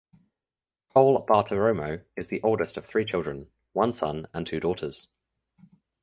Cole Bartiromo is the oldest of three children (one son and two daughters).